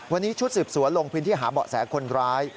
วันนี้ชุดสืบสวนลงพื้นที่หาเบาะแสคนร้าย